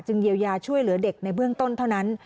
เยียวยาช่วยเหลือเด็กในเบื้องต้นเท่านั้น